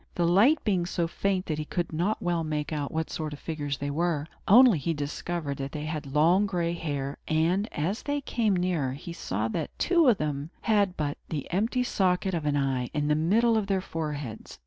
The light being so faint, he could not well make out what sort of figures they were; only he discovered that they had long gray hair; and, as they came nearer, he saw that two of them had but the empty socket of an eye, in the middle of their foreheads.